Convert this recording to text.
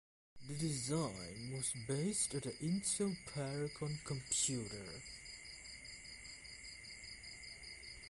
The design was based on the Intel Paragon computer.